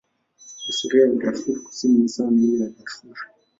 Historia ya Darfur Kusini ni sawa na ile ya Darfur.